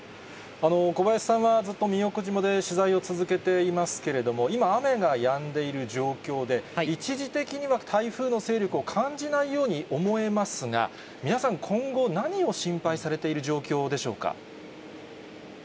小林さんはずっと宮古島で取材を続けていますけれども、今、雨がやんでいる状況で、一時的には台風の勢力を感じないように思えますが、皆さん、今後、何を心配されている状況でしょうか。